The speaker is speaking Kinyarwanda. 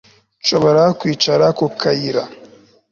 nshobora kwicara ku kayira